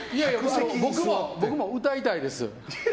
僕も歌いたいです。